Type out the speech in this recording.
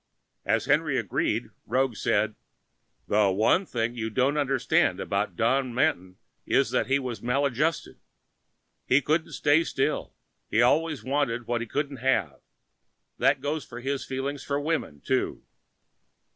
As Henry agreed, Roggs said, "The one thing you don't understand about Don Manton is that he was maladjusted. He couldn't stay still, he always wanted what he couldn't have. That goes for his feelings for women, too."